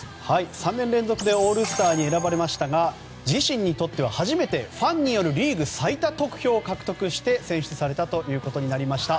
３年連続でオールスターに選ばれましたが自身にとっては初めてファンによるリーグ最多得票を獲得して選出されたということになりました。